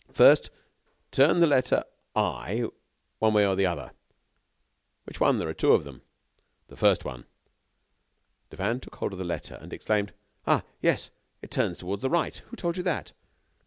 "First, turn the letter I one way or the other." "Which one? There are two of them." "The first one." Devanne took hold of the letter, and exclaimed: "Ah! yes, it turns toward the right. Who told you that?"